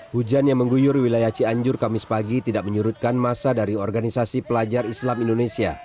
hujan yang mengguyur wilayah cianjur kamis pagi tidak menyurutkan masa dari organisasi pelajar islam indonesia